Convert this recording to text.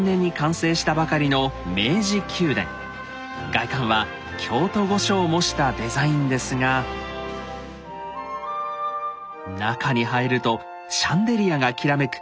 外観は京都御所を模したデザインですが中に入るとシャンデリアがきらめく